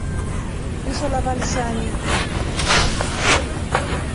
Riso lava lishani.